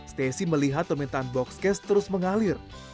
stacy melihat permintaan boxcase terus mengalir